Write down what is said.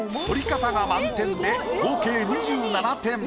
彫り方が満点で合計２７点。